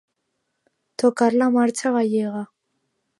Tocar la marxa gallega.